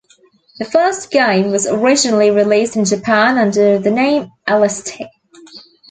The first game was originally released in Japan under the name Aleste.